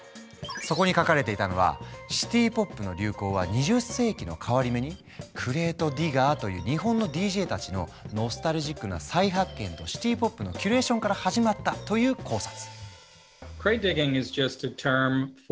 そこに書かれていたのはシティ・ポップの流行は２０世紀の変わり目にクレートディガーという日本のＤＪたちのノスタルジックな再発見とシティ・ポップのキュレーションから始まったという考察。